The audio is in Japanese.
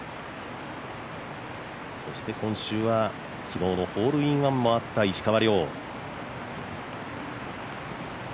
そして今週は、昨日のホールインワンもあった石川遼。